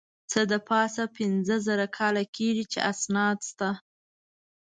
څه د پاسه پینځه زره کاله کېږي چې اسناد شته.